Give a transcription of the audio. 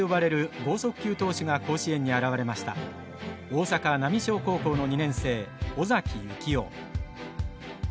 大阪浪商高校の２年生尾崎行雄。